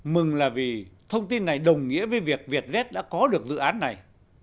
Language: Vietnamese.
mừng là vì thông tin này đồng nghĩa với việc vietjet đã có được dự án này